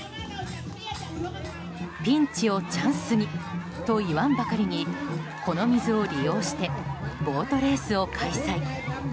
ピンチをチャンスにといわんばかりにこの水を利用してボートレースを開催。